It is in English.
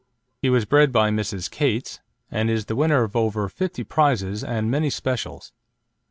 He was bred by Mrs. Cates, and is the winner of over fifty prizes and many specials.